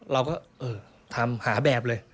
เราก็เออทำหาแบบเลย